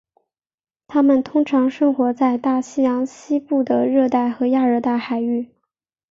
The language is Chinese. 它们通常生活在大西洋西部的热带和亚热带海域。